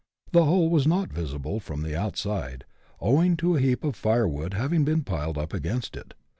The hole was not visible from the outside, owing to a heap of firewood having been piled up against it.